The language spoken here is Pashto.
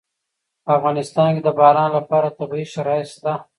په افغانستان کې د باران لپاره طبیعي شرایط شته.